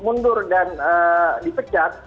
mundur dan dipecat